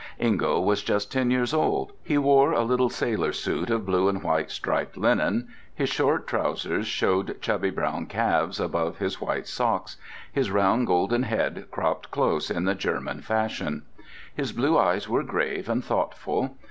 Ingo was just ten years old. He wore a little sailor suit of blue and white striped linen; his short trousers showed chubby brown calves above his white socks; his round golden head cropped close in the German fashion. His blue eyes were grave and thoughtful.